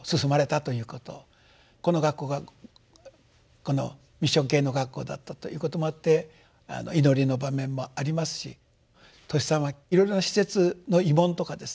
この学校がミッション系の学校だったということもあって祈りの場面もありますしトシさんはいろいろな施設の慰問とかですね